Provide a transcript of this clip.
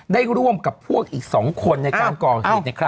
ร่วมกับพวกอีก๒คนในการก่อเหตุในครั้ง